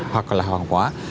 hoặc là hàng hóa